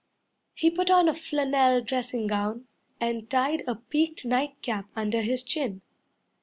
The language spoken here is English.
He put on a flannel dressing gown, And tied a peaked night cap under his chin.